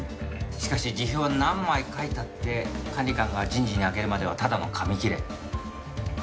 しかし辞表は何枚書いたって管理官が人事にあげるまではただの紙切れ。